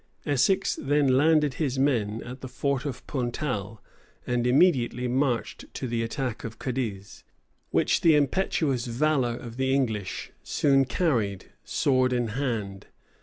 Essex then landed his men at the fort of Puntal, and immediately marched to the attack of Cadiz, which the impetuous valor of the English soon carried sword in hand.